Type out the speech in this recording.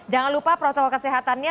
jangan lupa protokol kesehatannya